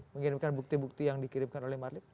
mengirimkan bukti bukti yang dikirimkan oleh marlip